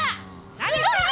何してるの！